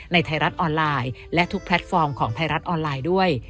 ไทยรัฐออนไลน์และทุกแพลตฟอร์มของไทยรัฐออนไลน์ด้วย